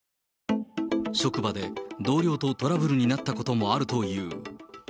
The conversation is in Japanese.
職場で同僚とトラブルになったこともあるという。